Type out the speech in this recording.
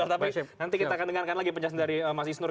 tapi nanti kita akan dengarkan lagi penjelasan dari mas isnur